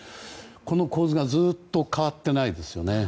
この構図がずっと変わってないですよね。